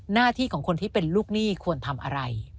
หน้าที่ของคนที่เป็นลูกหนี้ควรทำอะไร